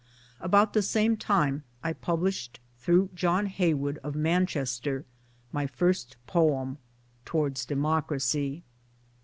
About the same time I published through John Heywood of Manchester, my first poem Towards Democracy.